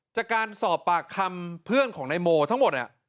จากการสอบปากคำเพื่อนของนายโมทั้งหมด